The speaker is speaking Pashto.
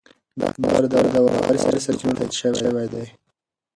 دا خبر د باوري سرچینو لخوا تایید شوی دی.